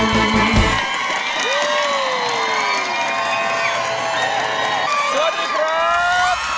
ร้องได้ให้ร้าง